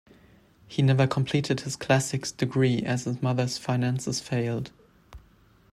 He never completed his classics degree as his mother's finances failed.